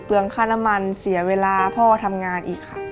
เปลืองค่าน้ำมันเสียเวลาเพราะทำงานอีกค่ะ